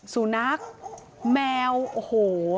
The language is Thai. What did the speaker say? ศูนักแมวโอ้โห